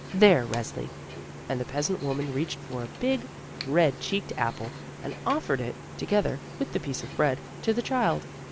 There, Resli!" and the peasant woman reached for a big red cheeked apple, and offered it, together with the piece of bread, to the child.